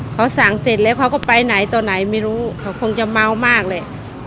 เขาสั่งเสร็จแล้วเขาก็ไปไหนต่อไหนไม่รู้เขาคงจะเมามากแหละ